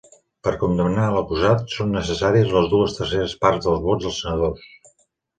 Per condemnar a l'acusat, són necessàries les dues terceres parts dels vots dels senadors.